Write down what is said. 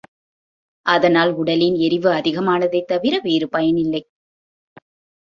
அதனால் உடலின் எரிவு அதிகமானதைத் தவிர வேறு பயனில்லை.